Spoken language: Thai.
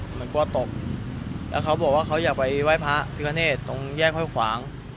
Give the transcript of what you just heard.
กลัวตบแล้วเขาบอกว่าเขาอยากไปไหว้พระพิคเนตตรงแยกห้วยขวาง